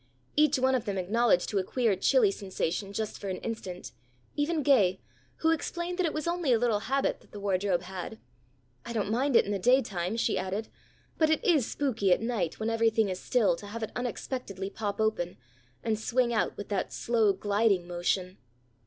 Each one of them acknowledged to a queer chilly sensation just for an instant, even Gay, who explained that it was only a little habit that the wardrobe had. "I don't mind it in the day time," she added, "but it is spooky at night when everything is still to have it unexpectedly pop open, and swing out with that slow gliding motion."